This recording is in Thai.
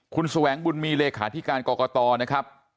คุณแสวงบุญมีเลขาธิการกรกตนะครับ